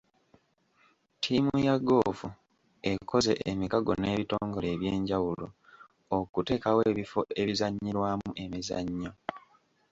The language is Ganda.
Ttiimu ya goofu ekoze emikago n'ebitongole eby'enjawulo okuteekawo ebifo ebizannyirwamu emizannyo.